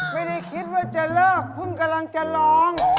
ไม่ได้คิดว่าจะเลิกเพิ่งกำลังจะร้อง